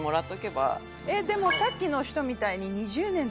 でもさっきの人みたいに。